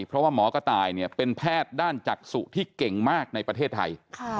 เพราะว่าหมอกระต่ายเนี่ยเป็นแพทย์ด้านจักษุที่เก่งมากในประเทศไทย